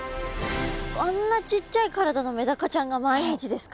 あんなちっちゃい体のメダカちゃんが毎日ですか？